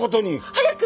早く！